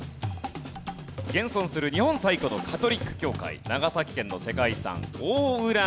現存する日本最古のカトリック教会長崎県の世界遺産大浦天